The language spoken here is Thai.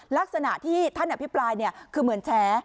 ลักษณะที่ท่านอภิปรายคือเหมือนแชร์